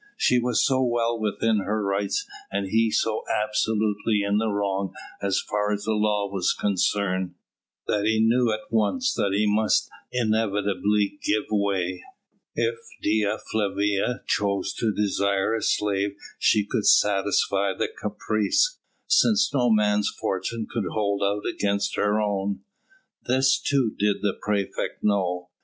She was so well within her rights and he so absolutely in the wrong as far as the law was concerned, that he knew at once that he must inevitably give way. If Dea Flavia chose to desire a slave she could satisfy the caprice, since no man's fortune could hold out against her own. This too did the praefect know.